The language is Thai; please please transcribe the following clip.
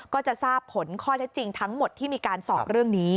ก็จะทราบผลข้อเท็จจริงทั้งหมดที่มีการสอบเรื่องนี้